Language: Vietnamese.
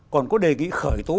còn có đề ký khởi tố cô giáo